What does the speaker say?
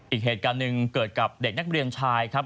อีกเหตุการณ์หนึ่งเกิดกับเด็กนักเรียนชายครับ